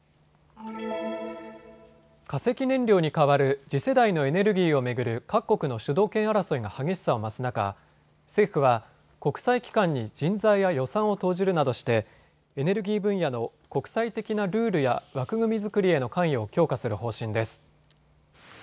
化石燃料に代わる次世代のエネルギーを巡る各国の主導権争いが激しさを増す中、政府は国際機関に人材や予算を投じるなどしてエネルギー分野の国際的なルールや枠組み作りへの関与を強化する方針です。